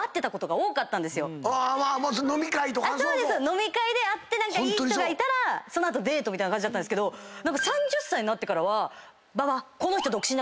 飲み会で会って何かいい人がいたらその後デートだったんですけど３０歳になってからは「馬場」